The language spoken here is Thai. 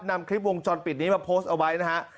นำคลิปวงจรปิดนี้มาโพสต์เอาไว้นะฮะ